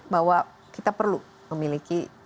bahwa kita perlu memiliki